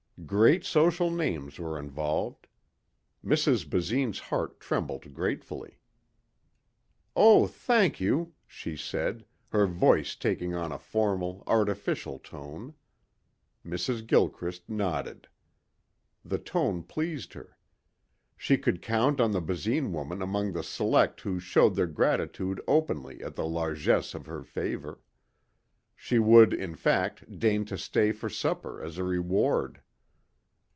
Great social names were involved. Mrs. Basine's heart trembled gratefully. "Oh, thank you," she said, her voice taking on a formal, artificial tone. Mrs. Gilchrist nodded. The tone pleased her. She could count on the Basine woman among the select who showed their gratitude openly at the largesse of her favor. She would, in fact, deign to stay for supper as a reward.